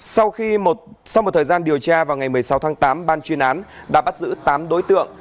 sau một thời gian điều tra vào ngày một mươi sáu tháng tám ban chuyên án đã bắt giữ tám đối tượng